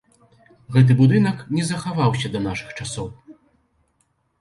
Гэты будынак не захаваўся да нашых часоў.